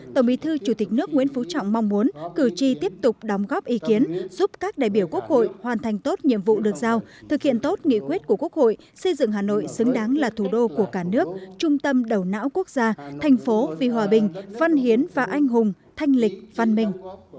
tổng bí thư chủ tịch nước nguyễn phú trọng mong muốn cử tri tiếp tục đóng góp ý kiến giúp các đại biểu quốc hội hoàn thành tốt nhiệm vụ được giao thực hiện tốt nghị quyết của quốc hội xây dựng hà nội xứng đáng là thủ đô của cả nước trung tâm đầu não quốc gia thành phố vì hòa bình văn hiến và anh hùng thanh lịch văn minh